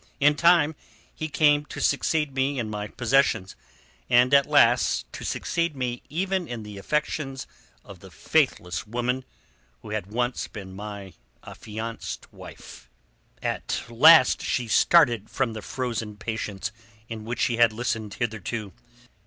In time he came to succeed me in my possessions, and at last to succeed me even in the affections of the faithless woman who once had been my affianced wife." At last she started from the frozen patience in which she had listened hitherto.